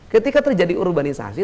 ketika terjadi urbanisasi